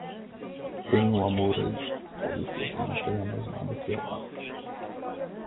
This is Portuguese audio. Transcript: Tenho amor a isto, talvez porque não tenha mais nada que amar